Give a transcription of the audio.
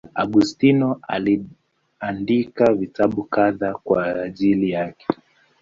Augustino aliandika vitabu kadhaa kwa ajili yake.